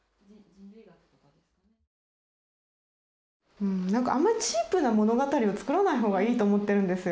うんなんかあんまりチープな物語を作らないほうがいいと思ってるんですよ。